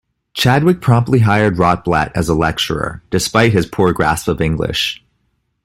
Chadwick promptly hired Rotblat as a lecturer, despite his poor grasp of English.